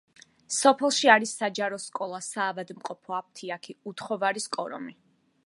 სოფელში არის საჯარო სკოლა, საავადმყოფო, აფთიაქი, უთხოვარის კორომი.